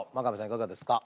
いかがですか？